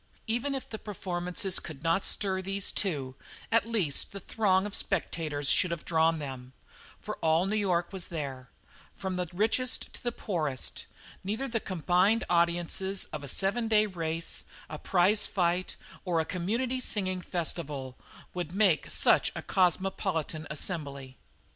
Even if the performance could not stir these two, at least the throng of spectators should have drawn them, for all New York was there, from the richest to the poorest; neither the combined audiences of a seven day race, a prize fight, or a community singing festival would make such a cosmopolitan assembly.